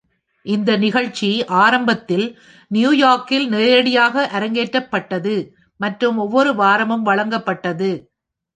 இந்த நிகழ்ச்சி ஆரம்பத்தில் நியூயார்க்கில் நேரடியாக அரங்கேற்றப்பட்டது மற்றும் ஒவ்வொரு வாரமும் வழங்கப்பட்டது.